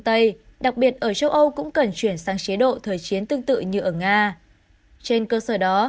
tây đặc biệt ở châu âu cũng cần chuyển sang chế độ thời chiến tương tự như ở nga trên cơ sở đó